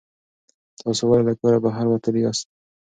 تاسو ولې له کوره بهر وتلي یاست؟